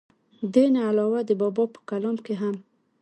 دې نه علاوه د بابا پۀ کلام کښې هم